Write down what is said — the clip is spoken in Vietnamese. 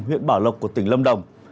huyện bảo lộc của tỉnh lâm đồng